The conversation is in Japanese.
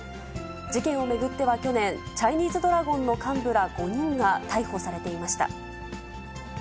事件を巡っては去年、チャイニーズドラゴンの幹部ら５人が逮捕されていました。